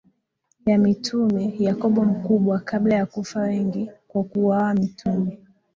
ya Mitume Yakobo Mkubwa Kabla ya kufa wengi kwa kuuawa mitume